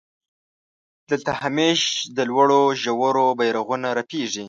دلته همېش د لوړو ژورو بيرغونه رپېږي.